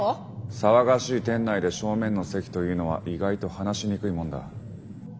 騒がしい店内で正面の席というのは意外と話しにくいもんだ。